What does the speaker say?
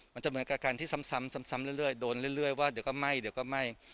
มันจะเหมือนกับการที่ซ้ำเรื่อยโดนเรื่อยว่าเดี๋ยวก็ไหม้เดี๋ยวก็ไหม้